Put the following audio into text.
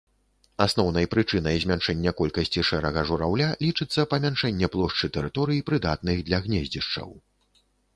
Асноўнай прычынай змяншэння колькасці шэрага жураўля лічыцца памяншэнне плошчы тэрыторый, прыдатных для гнездзішчаў.